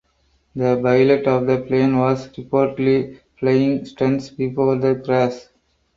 The pilot of the plane was reportedly flying stunts before the crash.